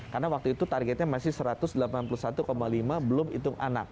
karena waktu itu targetnya masih satu ratus delapan puluh satu lima belum hitung anak